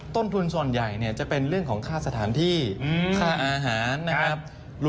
ต้นทุนส่วนใหญ่จะเป็นเรื่องของค่าสถานที่ค่าอาหาร